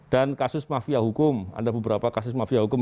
dan kasus mafia hukum